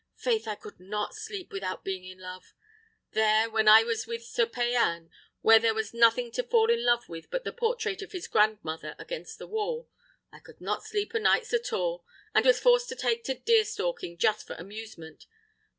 'Faith I could not sleep without being in love. There, when I was with Sir Payan, where there was nothing to fall in love with but the portrait of his grandmother against the wall, I could not sleep o' nights at all, and was forced to take to deer stealing, just for amusement.